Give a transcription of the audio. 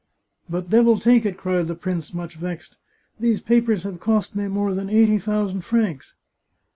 " But, devil take it," cried the prince, much vexed, " these papers have cost me more than eighty thousand francs